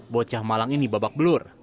bocah malang ini babak belur